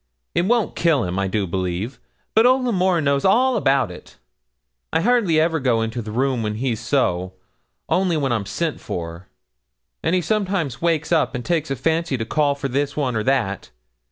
It won't kill him, I do believe; but old L'Amour knows all about it. I hardly ever go into the room when he's so, only when I'm sent for; and he sometimes wakes up and takes a fancy to call for this one or that.